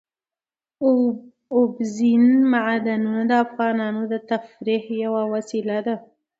اوبزین معدنونه د افغانانو د تفریح یوه وسیله ده.